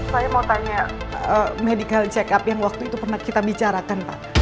saya mau tanya medical check up yang waktu itu pernah kita bicarakan pak